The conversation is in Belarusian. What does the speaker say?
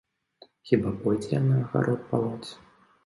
Хіба пойдзе яна агарод палоць?